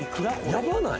やばない？